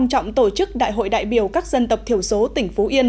trên địa bàn tỉnh phú yên